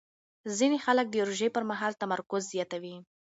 ځینې خلک د روژې پر مهال تمرکز زیاتوي.